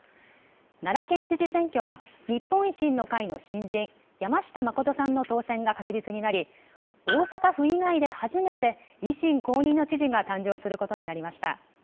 奈良県知事選挙は、日本維新の会の新人、山下真さんの当選が確実になり、大阪府以外で初めて維新公認の知事が誕生することになりました。